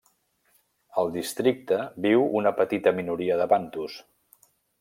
Al districte viu una petita minoria de bantus.